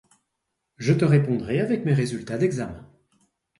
Je te répondrai avec mes résultats d’examens.